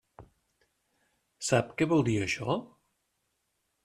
Sap què vol dir això?